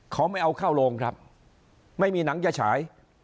เขาไม่เอาเข้าโรงครับไม่มีหนังจะฉาย